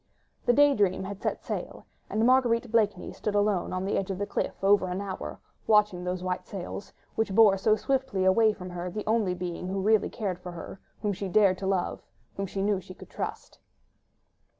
The Day Dream had set sail, and Marguerite Blakeney stood alone on the edge of the cliff for over an hour, watching those white sails, which bore so swiftly away from her the only being who really cared for her, whom she dared to love, whom she knew she could trust.